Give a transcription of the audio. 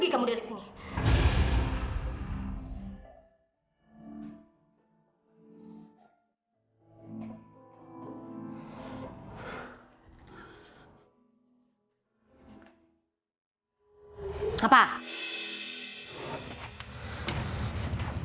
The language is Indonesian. kamu udah kurang ajar sama ibu